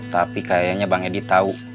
tapi kayaknya bang hedi tau